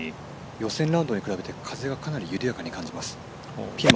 予選ラウンドに比べて風がかなり緩やかに感じます。